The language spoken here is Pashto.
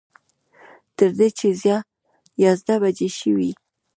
تر دې چې یازده بجې شوې.